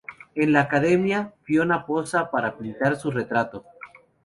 En la Academia, Fiona posa para pintar su retrato.